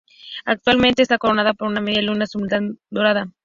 Actualmente está coronada por una media luna musulmana dorada.